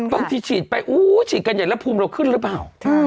บางทีฉีดไปฉีดกันใหญ่แล้วภูมิเราขึ้นหรือเปล่า